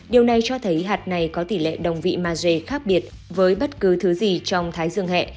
điều này cho thấy hạt này có tỷ lệ đồng vị majed khác biệt với bất cứ thứ gì trong thái dương hẹ